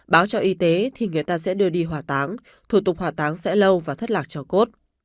báo cho y tế thì người ta sẽ đưa đi hỏa táng thủ tục hỏa táng sẽ lâu và thất lạc cho cốt